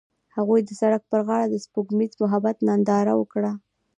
هغوی د سړک پر غاړه د سپوږمیز محبت ننداره وکړه.